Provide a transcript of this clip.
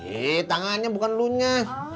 eh tangannya bukan lunya